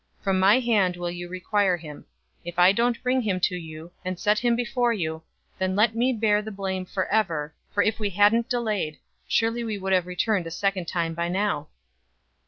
From my hand will you require him. If I don't bring him to you, and set him before you, then let me bear the blame forever, 043:010 for if we hadn't delayed, surely we would have returned a second time by now."